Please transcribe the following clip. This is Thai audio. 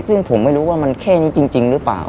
ซึ่งผมไม่รู้ว่ามันแค่นี้จริงหรือเปล่า